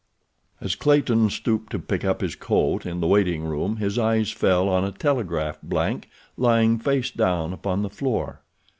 As Clayton stooped to pick up his coat in the waiting room his eyes fell on a telegraph blank lying face down upon the floor.